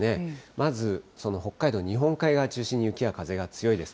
まず、北海道、日本海側を中心に雪や風が強いです。